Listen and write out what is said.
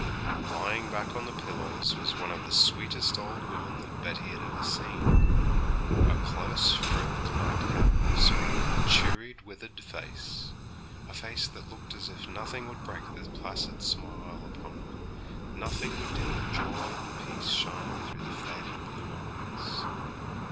Lying back on the pillows was one of the sweetest old women that Betty had ever seen. A close frilled night cap surrounded a cheery, withered face a face that looked as if nothing would break the placid smile upon it, nothing would dim the joy and peace shining through the faded blue eyes.